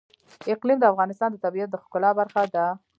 اقلیم د افغانستان د طبیعت د ښکلا برخه ده.